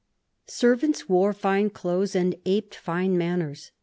Servants wore fine clothes and aped fine manners.